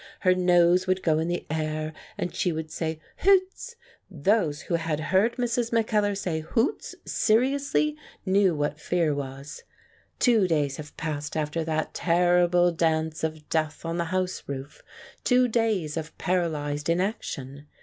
Her nose would go in the air, and she would say "Hoots! " Those who had heard Mrs. Mackellar say "Hoots" seriously, knew what fear was. Two days have passed after that terrible dance of 77 The Dance on the Beefsteak death on the house roof, two days of paralysed in action.